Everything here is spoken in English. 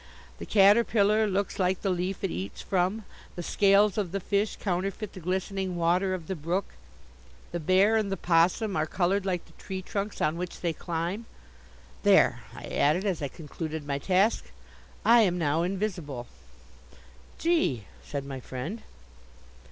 The caterpillar looks like the leaf it eats from; the scales of the fish counterfeit the glistening water of the brook; the bear and the 'possum are coloured like the tree trunks on which they climb. There!" I added, as I concluded my task. "I am now invisible." "Gee!" said my friend.